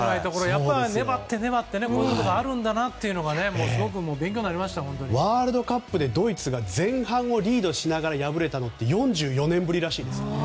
やっぱり、粘って粘ってこういうところがあるんだなというのがワールドカップでドイツが前半リードしながら敗れたのって４４年ぶりらしいです。